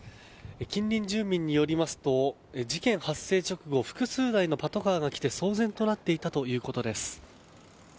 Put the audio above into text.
近隣住民によりますと事件発生直後複数台のパトカーが来て騒然となっていたということです。